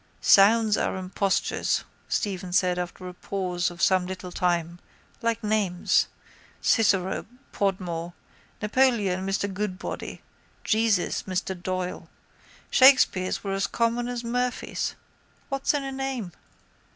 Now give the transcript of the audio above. —Sounds are impostures, Stephen said after a pause of some little time, like names. Cicero, Podmore, Napoleon, Mr Goodbody. Jesus, Mr Doyle. Shakespeares were as common as Murphies. What's in a name?